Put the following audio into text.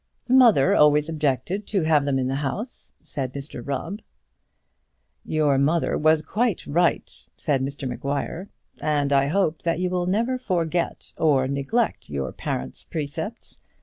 "Mother always objected to have them in the house," said Mr Rubb. "Your mother was quite right," said Mr Maguire; "and I hope that you will never forget or neglect your parent's precepts.